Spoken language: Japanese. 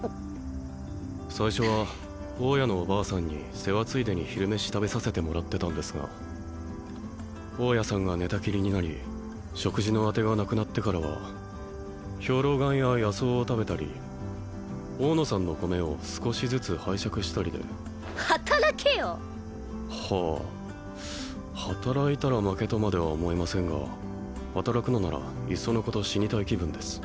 最初は大家のおばあさんに世話ついでに昼飯食べさせてもらってたんですが大家さんが寝たきりになり食事の当てがなくなってからは兵糧丸や野草を食べたり大野さんの米を少しずつ拝借したりで働けよ！はあ働いたら負けとまでは思いませんが働くのならいっそのこと死にたい気分です